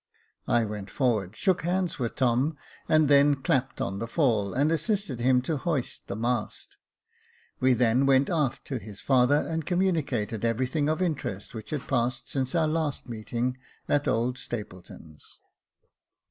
I went forward, shook hands with Tom, and then clapped on the fall, and assisted him to hoist the mast. We then went aft to his father, and communicated every thing of interest which had passed since our last meeting at old Stapleton's.